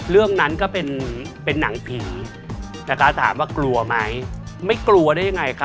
เรื่องนั้นก็เป็นเป็นหนังผีนะคะถามว่ากลัวไหมไม่กลัวได้ยังไงคะ